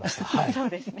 そうですね。